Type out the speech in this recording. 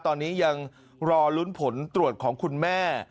ตอนนี้ยังรอลุ้นผลตรวจของคุณแม่